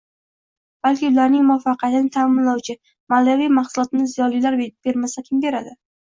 balki ularning muvaffaqiyatini ta’minlovchi, ma’naviy “mahsulotni” ziyolilar bermasa kim beradi?